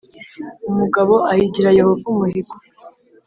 Umugabo ahigira Yehova umuhigo